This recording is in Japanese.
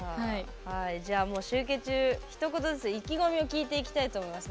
じゃあもう集計中ひと言ずつ意気込みを聞いていきたいと思います。